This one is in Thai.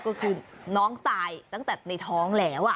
ก็คือน้องตายตั้งแต่ในท้องแล้ว